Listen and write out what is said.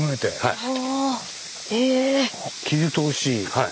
はい。